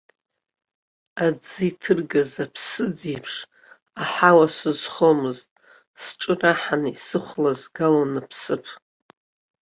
Аӡы иҭыргаз аԥ-сыӡ еиԥш, аҳауа сызхомызт, сҿы раҳаны исыхәлазгалон аԥсыԥ.